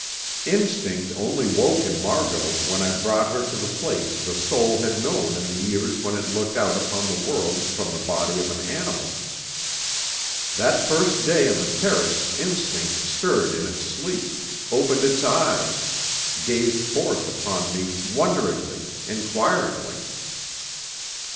Instinct only woke in Margot when I brought her to the place the soul had known in the years when it looked out upon the world from the body of an animal. That first day on the terrace instinct stirred in its sleep, opened its eyes, gazed forth upon me wonderingly, inquiringly.